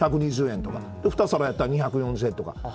２皿だったら２４０円とか。